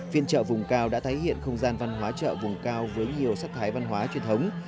phiên trợ vùng cao đã tái hiện không gian văn hóa trợ vùng cao với nhiều sắc thái văn hóa truyền thống